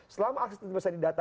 selama akses itu bisa didata